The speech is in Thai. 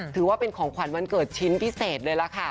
ถือว่าเป็นของขวัญวันเกิดชิ้นพิเศษเลยล่ะค่ะ